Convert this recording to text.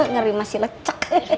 ngeri masih lecok